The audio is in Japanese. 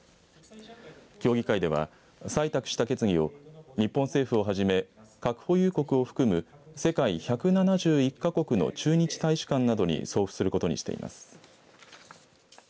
協議会では採択した決議を日本政府を初め核保有国を含む世界１７１か国の駐日大使館などに送付することにしています。